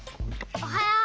おはよう。